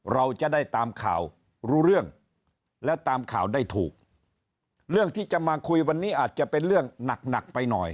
เราจะได้ตามข่าวรู้เรื่องและตามข่าวได้ถูกเรื่องที่จะมาคุยวันนี้อาจจะเป็นเรื่องหนักหนักไปหน่อย